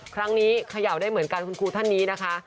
เขย่าได้เหมือนกันคุณครูท่านนี้นะคะ